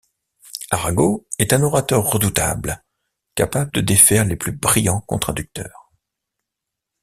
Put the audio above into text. Arago est un orateur redoutable, capable de défaire les plus brillants contradicteurs.